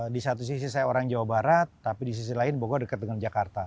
di satu sisi saya orang jawa barat tapi di sisi lain bogor dekat dengan jakarta